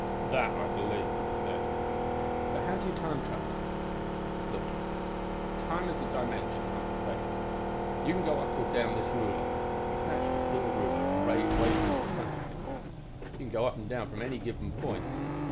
"'That I believe,' he said. "'So how do you time travel?' "'Look,' he said, 'time is a dimension like space. You can go up or down this ruler,' he snatched a steel ruler and waved it in front of me, 'from any given point.